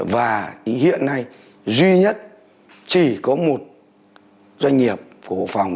và hiện nay duy nhất chỉ có một doanh nghiệp của bộ phòng